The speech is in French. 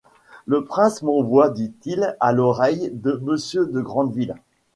Le prince m’envoie, dit-il à l’oreille de monsieur de Grandville.